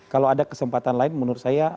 kalau ada kesempatan lain menurut saya